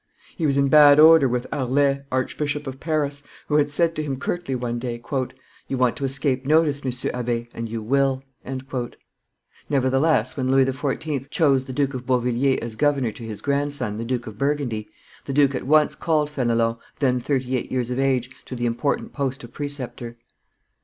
He was in bad odor with Harlay, Archbishop of Paris, who had said to him curtly one day, "You want to escape notice, M. Abbe, and you will;" nevertheless, when Louis XIV. chose the Duke of Beauvilliers as governor to his grandson, the Duke of Burgundy, the duke at once called Fenelon, then thirty eight years of age, to the important post of preceptor.